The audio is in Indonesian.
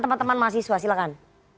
teman teman mahasiswa silahkan